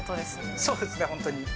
そうですね、本当に。